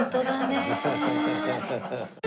ハハハハ。